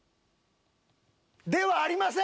ではありません！